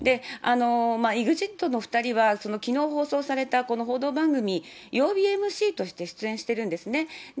ＥＸＩＴの２人は、きのう放送されたこの報道番組、曜日ＭＣとして出演してるんですね。